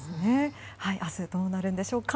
明日どうなるんでしょうか。